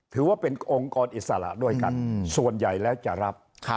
ถือว่าเป็นองค์กรอิสระด้วยกันส่วนใหญ่แล้วจะรับ